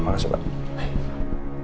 kita nggak siapkan untuk hal hal ya mbak